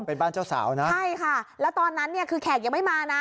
เป็นบ้านเจ้าสาวนะใช่ค่ะแล้วตอนนั้นเนี่ยคือแขกยังไม่มานะ